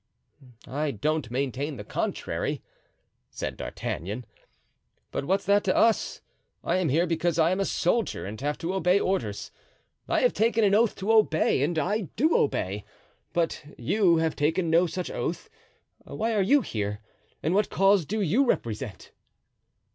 "I don't maintain the contrary," said D'Artagnan. "But what's that to us? I am here because I am a soldier and have to obey orders—I have taken an oath to obey, and I do obey; but you who have taken no such oath, why are you here and what cause do you represent?"